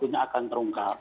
ini akan terungkap